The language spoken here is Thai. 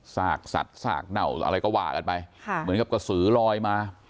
ซากสัตว์ซากเหน่าอะไรก็ว่ากันไปค่ะเหมือนกับกระสือลอยมา